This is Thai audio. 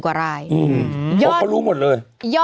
๔๐๐๐๐กว่ารายยอดเขารู้หมดเลย